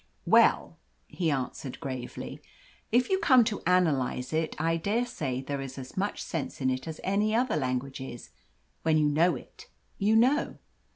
"Well," he answered gravely, "if you come to analyse it, I dare say there is as much sense in it as in other languages when you know it, you know."